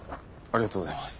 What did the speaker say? ありがとうございます。